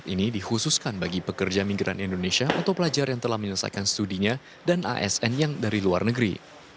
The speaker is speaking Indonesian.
ini dikhususkan bagi pekerja migran indonesia atau pelajar yang telah menyelesaikan studinya dan asn yang dari luar negeri